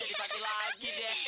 jadi mati lagi deh